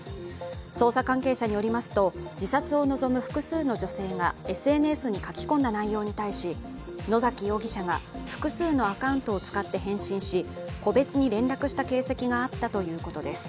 捜査関係者によりますと、自殺を望む複数の女性がＳＮＳに書き込んだ内容に対し野崎容疑者が複数のアカウントを使って返信し個別に連絡した形跡があったということです。